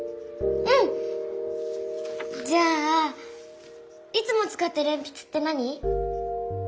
うん！じゃあいつもつかってるえんぴつって何？